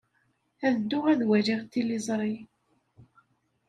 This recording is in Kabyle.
Ad dduɣ ad waliɣ tiliẓri.